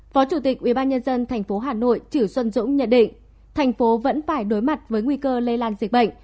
phó chủ tịch ubnd thành phố hà nội chỉu xuân dũng nhận định thành phố vẫn phải đối mặt với nguy cơ lây lan dịch bệnh